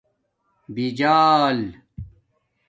بیجال